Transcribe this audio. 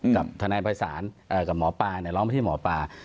กับทนายภัยศาลกับหมอปลาร้องไปที่หมอปลา